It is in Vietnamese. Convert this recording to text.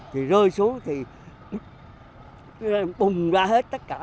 thì rơi xuống thì bùng ra hết tất cả